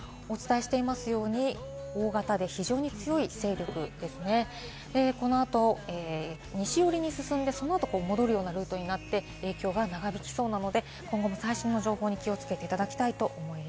そして台風情報ですが、お伝えしていますように大型非常に強い台風勢力ですね、この後西寄りに進んで戻るようにルートになって影響が長引きそうなので、今後も最新の情報にお気をつけください。